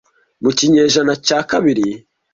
Mu kinyejana cya kabiri